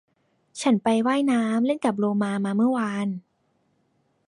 ฉันไปว่ายน้ำเล่นกับโลมามาเมื่อวาน